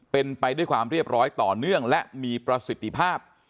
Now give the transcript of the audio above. เป็นไปด้วยความเรียบร้อยต่อเนื่องและมีประสิทธิภาพ